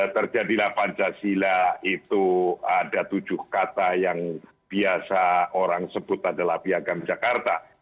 terjadilah pancasila itu ada tujuh kata yang biasa orang sebut adalah piagam jakarta